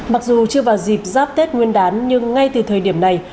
mặc dù chưa vào dịp giáp tết nguyên đán nhưng ngay từ thời điểm này